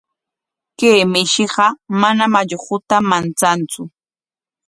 Kay mishiqa manam allquta manchantsu.